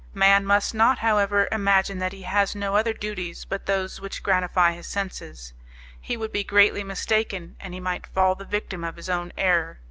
Man must not, however, imagine that he has no other duties but those which gratify his senses; he would be greatly mistaken, and he might fall the victim of his own error.